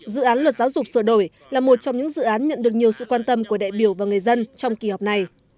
dự án luật giáo dục sửa đổi là một trong những dự án nhận được nhiều sự quan tâm của đại biểu và người dân trong kỳ họp này